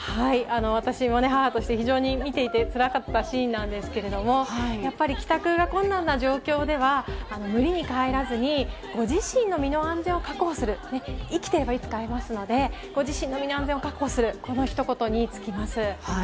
私も母として非常に見ていてつらかったシーンなんですけれども、やっぱり帰宅が困難な状況では、無理に帰らずに、ご自身の身の安全を確保する、生きていればいつか会えますので、ご自身の身の安全を確保する、このひと言に尽きます。